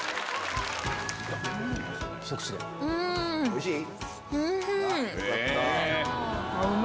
おいしい？